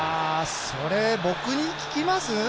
それ僕に聞きます？